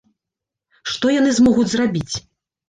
Што яны змогуць зрабіць?!